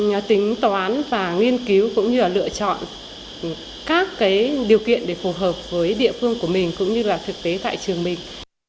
vâng chúng tôi cũng đã tính toán và nghiên cứu cũng như lựa chọn các điều kiện để phù hợp với địa phương của mình cũng như là thực tế tại trường mình